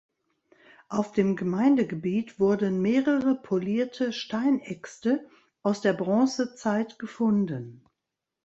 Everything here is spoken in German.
Auf dem Gemeindegebiet wurden mehrere polierte Steinäxte aus der Bronzezeit gefunden.